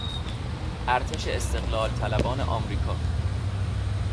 ارتش استقلال طلبان امریکا